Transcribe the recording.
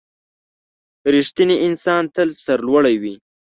• رښتینی انسان تل سرلوړی وي.